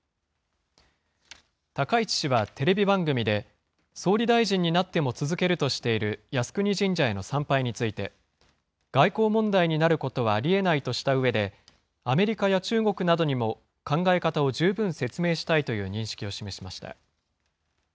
高市氏はテレビ番組で、総理大臣になっても続けるとしている靖国神社への参拝について、外交問題になることはありえないとしたうえで、アメリカや中国などにも考え方を十分説明したいという認識を示しました。